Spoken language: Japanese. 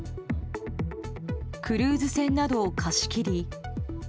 クルーズ船などを貸し切り。